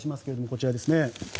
こちらですね。